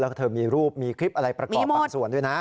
แล้วก็เธอมีรูปมีคลิปอะไรประกอบบางส่วนด้วยนะ